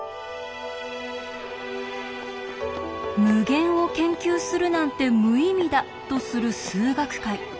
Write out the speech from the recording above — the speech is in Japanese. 無限を研究するなんて無意味だとする数学界。